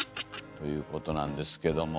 ということなんですけども。